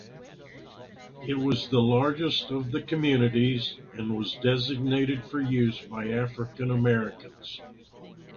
It was the largest of the communities and was designated for use by African-Americans.